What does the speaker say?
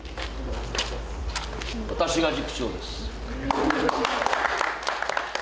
私が塾長です。